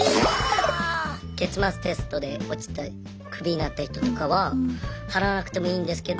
月末テストで落ちてクビになった人とかは払わなくてもいいんですけど。